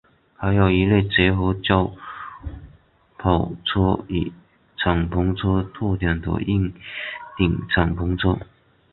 还有一类结合轿跑车与敞篷车特点的硬顶敞篷车。